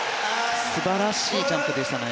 素晴らしいジャンプでしたね。